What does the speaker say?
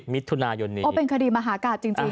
๓๐มิตรทุนายนเป็นคดีมหากาศจริง